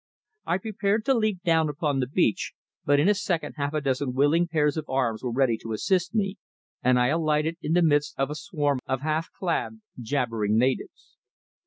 I prepared to leap down upon the beach, but in a second half a dozen willing pairs of arms were ready to assist me, and I alighted in the midst of a swarm of half clad, jabbering natives.